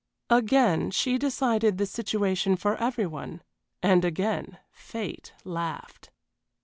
Again she decided the situation for every one, and again fate laughed.